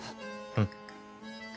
うん。